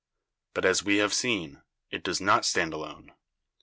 But, as we have seen, it does not stand alone.